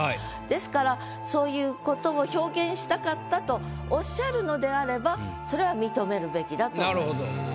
ですからそういうことを表現したかったとおっしゃるのであればそれは認めるべきだと思います。